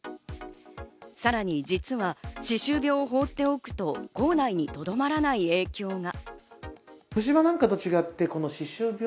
さらに実は、歯周病をほうっておくと口内にとどまらない影響が。